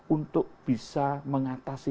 untuk bisa mengatasi